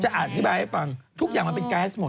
จะอัดที่บาทให้ฟังทุกอย่างมันเป็นแก๊สหมด